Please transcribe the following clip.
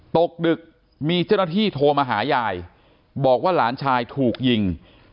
ตกดึกมีเจ้าหน้าที่โทรมาหายายบอกว่าหลานชายถูกยิง